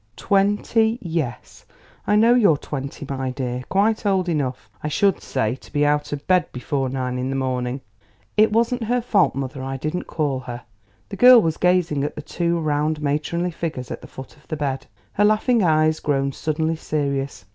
"Twenty; yes, I know you're twenty, my dear; quite old enough, I should say, to be out of bed before nine in the morning." "It wasn't her fault, mother; I didn't call her." The girl was gazing at the two round matronly figures at the foot of the bed, her laughing eyes grown suddenly serious.